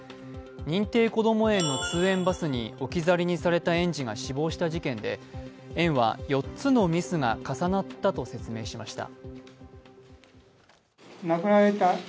認定こども園の通園バスに置き去りにされた園児が死亡した事件で園は４つのミスが重なったと説明しました。